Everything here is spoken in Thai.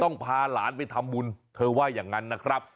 พาหลานไปทำบุญเธอว่าอย่างนั้นนะครับ